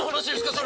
それ。